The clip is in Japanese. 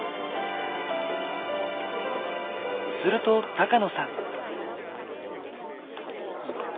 すると高野さん。